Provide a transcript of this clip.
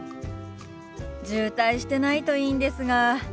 渋滞してないといいんですが。